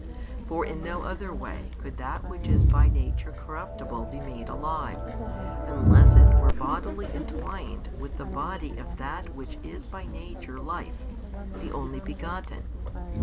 For in no other way could that which is by nature corruptible be made alive, unless it were bodily entwined with the Body of That Which is by nature |371 Life, the Only begotten.